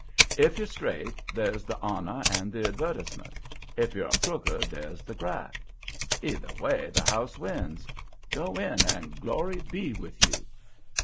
If you're straight, there's the honor and the advertisement; if you're crooked, there's the graft. Either way the house wins. Go in, and glory be with you."